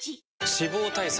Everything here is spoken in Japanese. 脂肪対策